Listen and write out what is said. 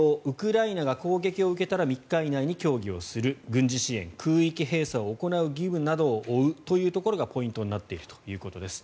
ウクライナが攻撃を受けたら３日以内に協議をする軍事支援、空域閉鎖を行う義務などを負うというところがポイントになっていると。